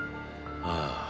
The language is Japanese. ⁉ああ